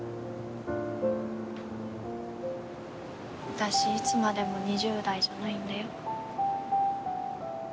私いつまでも２０代じゃないんだよ？